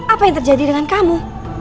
apa yang terjadi dengan kamu